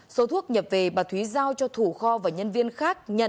số thuốc nhập về bà thúy giao cho thủ kho và nhân viên khác nhận